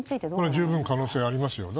十分可能性ありますよ。